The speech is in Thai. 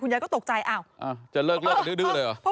คุณยายก็ตกใจอ้าวอ้าวจะเลิกเลิกดื้อดื้อเลยเหรอ